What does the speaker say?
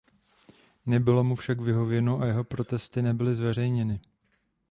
Nebylo mu však vyhověno a jeho protesty nebyly zveřejněny.